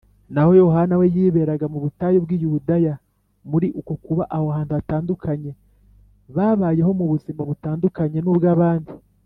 ; naho Yohana we yiberaga mu butayu bw’i Yudaya. Muri uko kuba ahantu hatandukanye, babayeho mu buzima butandukanye n’ubw’abandi,